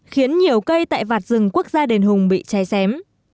khiến nhiều cây tại vạt rừng quốc gia đền hùng bị cháy xém